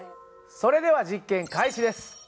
それでは実験開始です。